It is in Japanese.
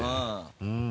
うん。